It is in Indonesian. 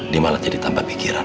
dia malah jadi tambah pikiran